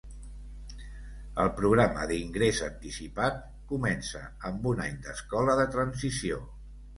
El programa d'ingrés anticipat comença amb un any d'escola de transició.